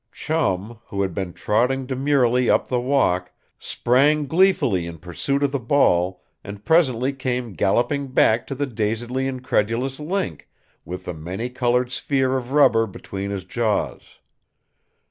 Chum, who had been trotting demurely up the walk, sprang gleefully in pursuit of the ball, and presently came galloping back to the dazedly incredulous Link, with the many colored sphere of rubber between his jaws.